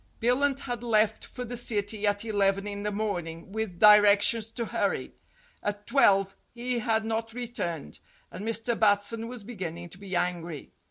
Billunt had left for the City at eleven in the morn ing, with directions to hurry. At twelve he had not re turned, and Mr. Batson was beginning to be angry.